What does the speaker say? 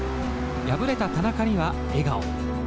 敗れた田中には笑顔。